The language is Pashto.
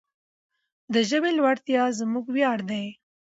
د ژبې لوړتیا زموږ ویاړ دی.